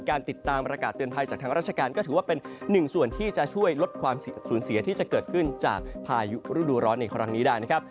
การติดตามประกาศเตือนภัยจากทางราชการก็ถือว่าเป็นหนึ่งส่วนที่จะช่วยลดความสูญเสียที่จะเกิดขึ้นจากพายุฤดูร้อนในครั้งนี้ได้นะครับ